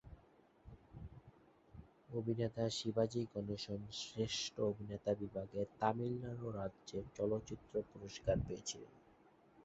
অভিনেতা শিবাজি গণেশন শ্রেষ্ঠ অভিনেতা বিভাগে তামিলনাড়ু রাজ্য চলচ্চিত্র পুরস্কার পেয়েছিলেন।